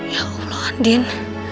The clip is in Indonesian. ya allah andin